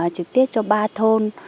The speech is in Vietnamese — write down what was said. trực tiếp cho ba thôn